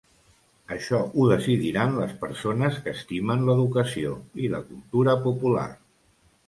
Això ho decidiran les persones que estimen l'educació, i la cultura popular.